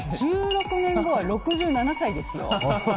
１６年後は６７歳ですよ。